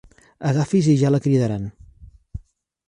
Agafi's i ja la cridaran.